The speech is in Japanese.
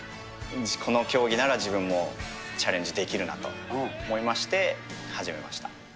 この競技なら自分もチャレンジできるなと思いまして、始めました。